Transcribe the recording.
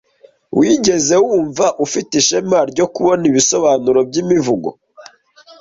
Wigeze wumva ufite ishema ryo kubona ibisobanuro by'imivugo?